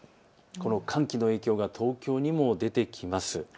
寒気の影響は東京にも出てきます。